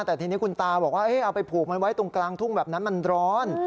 แต่ทีนี้คุณตาบอกว่าเอาไปผูกมันไว้ตรงกลางทุ่งแบบนั้นมันร้อน